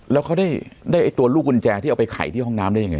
แล้วเขาได้ตัวลูกกุญแจที่เอาไปไขที่ห้องน้ำได้ยังไง